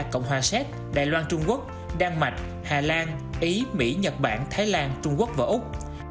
cộng hòa xét đài loan trung quốc đan mạch hà lan ý mỹ nhật bản thái lan trung quốc và úc